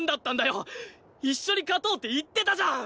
一緒に勝とうって言ってたじゃん！